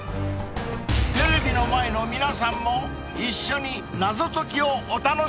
［テレビの前の皆さんも一緒に謎解きをお楽しみください］